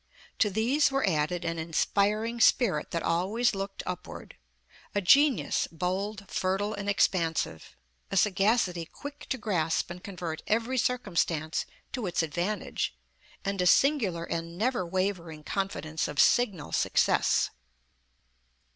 To these were added, an inspiring spirit that always looked upward; a genius, bold, fertile and ex pansive; a sagacity quick to grasp and convert every circumstance to its advantage, and a singular and never wavering confidence of signal success."